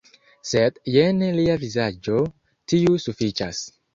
Sed jen lia vizaĝo - tiu sufiĉas